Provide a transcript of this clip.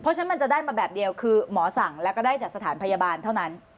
เพราะฉะนั้นมันจะได้มาแบบเดียวคือหมอสั่งแล้วก็ได้จากสถานพยาบาลเท่านั้น